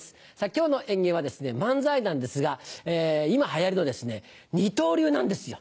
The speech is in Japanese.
今日の演芸は漫才なんですが今流行りの二刀流なんですよ。